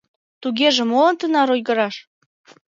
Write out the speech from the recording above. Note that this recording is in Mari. Тугеже молан тынар ойгыраш?